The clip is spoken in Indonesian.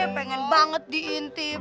pengen banget diintip